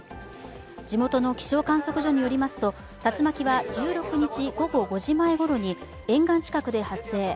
地元の気象観測所によりますと竜巻は１６日午後５時前ごろに沿岸近くで発生。